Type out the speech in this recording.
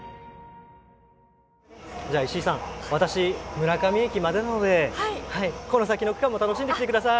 じゃあ石井さん私村上駅までなのでこの先の区間も楽しんできてください。